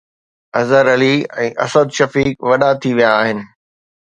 اظهر علي ۽ اسد شفيق وڏا ٿي ويا آهن.